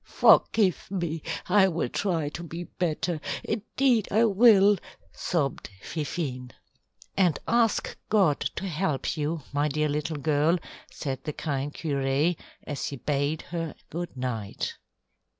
"Forgive me, I will try to be better; indeed I will," sobbed Fifine. "And ask God to help you, my dear little girl," said the kind curé, as he bade her good night.